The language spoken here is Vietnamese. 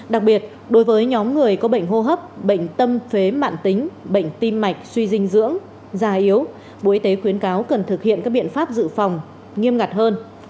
đặc biệt đối với nhóm người có bệnh hô hấp bệnh tâm phế mạng tính bệnh tim mạch suy dinh dưỡng da yếu bộ y tế khuyến cáo cần thực hiện các biện pháp dự phòng nghiêm ngặt hơn